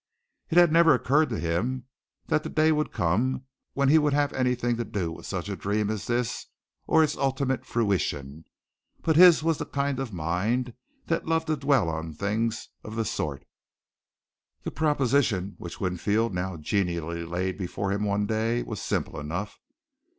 It had never occurred to him that the day would come when he would have anything to do with such a dream as this or its ultimate fruition, but his was the kind of mind that loved to dwell on things of the sort. The proposition which Winfield now genially laid before him one day was simple enough.